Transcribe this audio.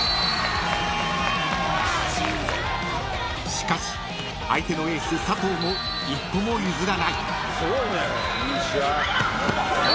［しかし相手のエース佐藤も一歩も譲らない］